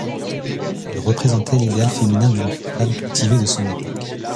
Elle représentait l'idéal féminin d'une femme cultivée de son époque.